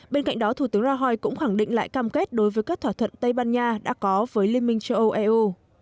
bên cạnh đó thủ tướng rahit cũng khẳng định lại cam kết đối với các thỏa thuận tây ban nha đã có với liên minh châu âu eu